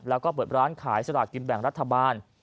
แล้วก็เปิดร้านขายสลากกินแบ่งรัฐบาล